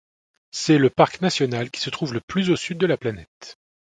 C'est le parc national qui se trouve le plus au sud de la planète.